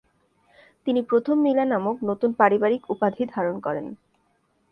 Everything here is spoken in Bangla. তিনি প্রথম মি-লা নামক নতুন পারিবারিক উপাধি ধারণ করেন।